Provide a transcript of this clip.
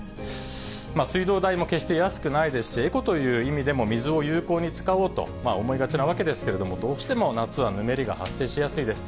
水道代も決して安くないですし、エコという意味でも、水を有効に使おうと思いがちなわけですけれども、どうしても夏はぬめりが発生しやすいです。